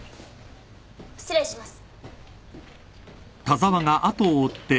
失礼します。